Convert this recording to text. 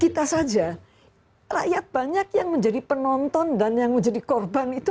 kita saja rakyat banyak yang menjadi penonton dan yang menjadi korban itu